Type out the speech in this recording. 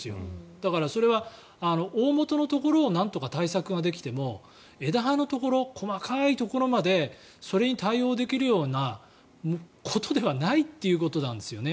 だから、それは大本のところをなんとか対策できても枝葉のところ、細かいところまでそれに対応できるようなことではないということなんですよね。